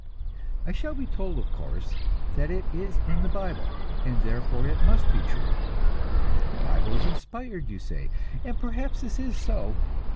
I shall be told, of course, that it is in the Bible, and therefore it must be true. The Bible is inspired, you say; and perhaps this is so.